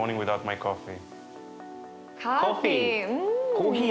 コーヒー。